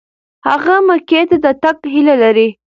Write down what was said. هغه مکې ته د تګ هیله لري.